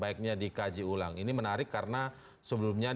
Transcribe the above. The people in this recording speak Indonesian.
iya ngejar harga lama